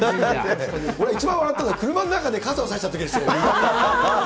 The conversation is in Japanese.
俺、一番笑ったのは、車の中で傘を差したときですよね。